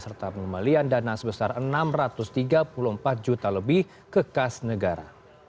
serta pembelian dana sebesar enam ratus tiga puluh empat juta lebih kekas negara